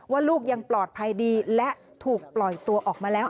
ลูกยังปลอดภัยดีและถูกปล่อยตัวออกมาแล้ว